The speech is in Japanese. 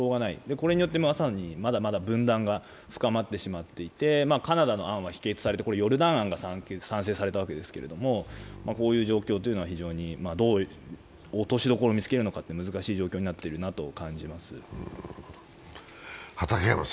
これによってまだまだ分断が深まってしまっていて、カナダの案は否決されて、ヨルダン案が賛成されたわけですけども、こういう状況というのは非常にどう落としどころを見つけるのか難しいところになっていると思います。